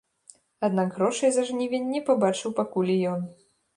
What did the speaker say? Аднак грошай за жнівень не пабачыў пакуль і ён.